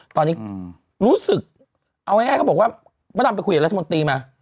ตอนนี้รู้สึกเอาง่ายเขาบอกว่ามะดำไปคุยกับรัฐมนตรีมา